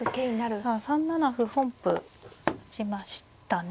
３七歩本譜打ちましたね。